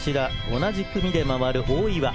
同じ組で回る大岩。